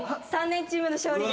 ３年チーム勝利！